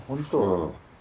うん。